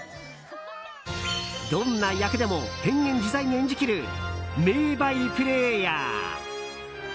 どんな役でも変幻自在に演じきる名バイプレーヤー。